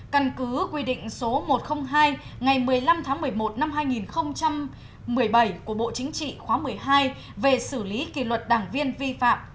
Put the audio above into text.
căn cứ quy định số một trăm linh hai ngày một mươi năm tháng một mươi một năm hai nghìn một mươi bảy của bộ chính trị khóa một mươi hai về xử lý kỷ luật đảng viên vi phạm